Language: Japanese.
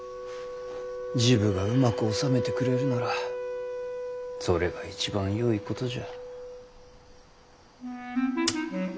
治部がうまく収めてくれるならそれが一番よいことじゃ。